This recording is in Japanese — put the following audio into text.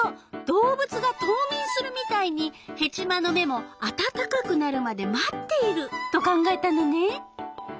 動物が冬眠するみたいにヘチマの芽もあたたかくなるまで待っていると考えたのね。